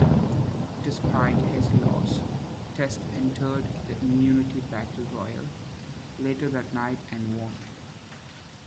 Despite his loss, Test entered the Immunity Battle Royal later that night and won.